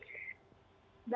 dan menurut saya